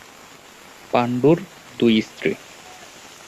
পাণ্ডুর দুই স্ত্রী।